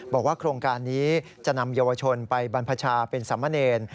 บอกว่าโครงการนี้จะนำเยาวชนไปบรรพชาเป็นสามเณร